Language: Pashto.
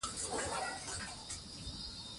که رښتیا وي نو غصه نه وي.